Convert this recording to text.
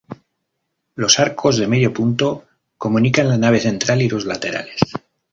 Los arcos de medio punto comunican la nave central y los laterales.